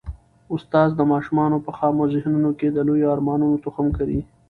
استاد د ماشومانو په خامو ذهنونو کي د لویو ارمانونو تخم کري.